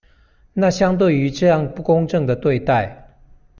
那相對於這樣不公正的對待